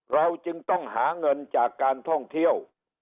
เราจึงต้องหาเงินจากการท่องเที่ยว